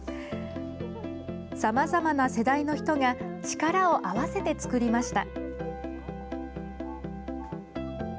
さまざまな世代の人が力を合わせて作りました。